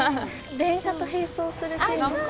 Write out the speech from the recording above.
電車と並走するシーンとか。